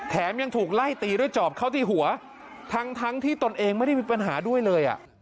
ยังถูกไล่ตีด้วยจอบเข้าที่หัวทั้งที่ตนเองไม่ได้มีปัญหาด้วยเลย